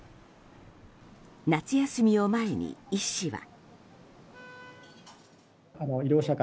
夏休みを前に医師は。